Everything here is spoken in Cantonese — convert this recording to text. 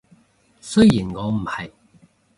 雖然我唔係